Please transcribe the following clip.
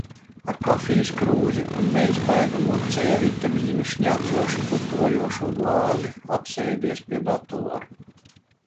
Ar kafijas krūzi un neizbēgamo C vitamīna šņācoši putojošo glāzi apsēdies pie datora.